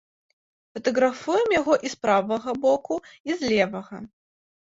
Фатаграфуем яго і з правага боку, і з левага.